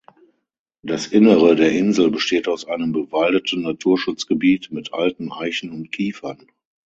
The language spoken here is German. Das Innere der Insel besteht aus einem bewaldeten Naturschutzgebiet mit alten Eichen und Kiefern.